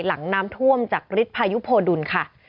หลังน้ำท่วมจากฤทธิพายุโพดุลค่ะ